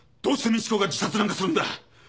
どうして美智子が自殺なんかするんだ？